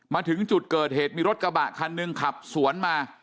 มาถึงจุดเกิดเหตุมีรถกระบะคันหนึ่งขับสวนมา